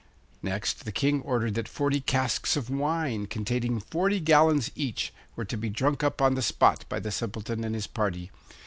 Next, the King ordered that forty casks of wine, containing forty gallons each, were to be drunk up on the spot by the Simpleton and his party.